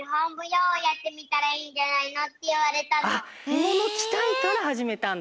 きものきたいからはじめたんだ。